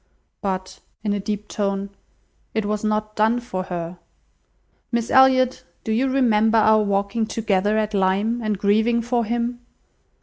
But," (in a deep tone,) "it was not done for her. Miss Elliot, do you remember our walking together at Lyme, and grieving for him?